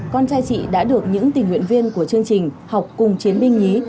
con trai chị đã được những tình nguyện viên của chương trình học cùng chiến binh nhí